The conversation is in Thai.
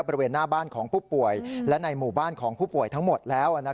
บริเวณหน้าบ้านของผู้ป่วยและในหมู่บ้านของผู้ป่วยทั้งหมดแล้ว